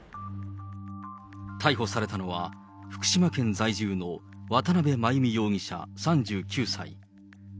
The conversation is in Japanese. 逮捕されたのは、福島県在住の渡邉真由美容疑者３９歳。